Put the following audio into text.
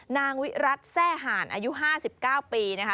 นางวิรัติแซ่ห่านอายุ๕๙ปีนะคะ